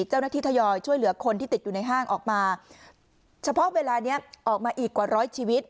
ทยอยช่วยเหลือคนที่ติดอยู่ในห้างออกมาเฉพาะเวลานี้ออกมาอีกกว่าร้อยชีวิต